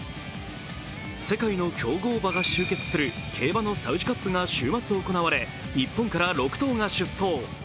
世界の強豪馬が集結する競馬のサウジカップが週末行われ、日本から６頭が出走。